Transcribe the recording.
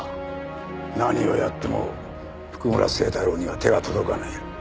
何をやっても譜久村聖太郎には手が届かない。